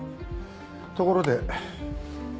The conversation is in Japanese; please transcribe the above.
ところで。